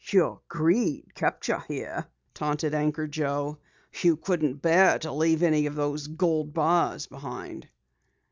"Your greed kept you here," taunted Anchor Joe. "You couldn't bear to leave any of those gold bars behind."